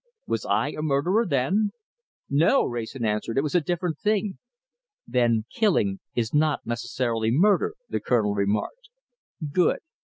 Was I a murderer then?" "No!" Wrayson answered. "It was a different thing." "Then killing is not necessarily murder," the Colonel remarked. "Good!